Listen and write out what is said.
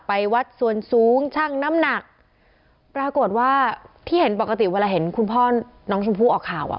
ไปวัดส่วนสูงช่างน้ำหนักปรากฏว่าที่เห็นปกติเวลาเห็นคุณพ่อน้องชมพู่ออกข่าวอ่ะ